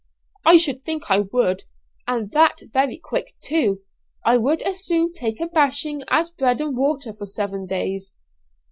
"I should think I would, and that very quick, too. I would as soon take a bashing as bread and water for seven days."